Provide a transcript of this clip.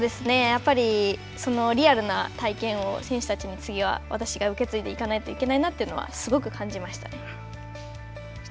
やっぱりリアルな体験を選手たちに、次は私が受け継いでいかなきゃいけないなというのは、すごく感じましたね。